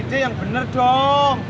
kasih aja yang bener dong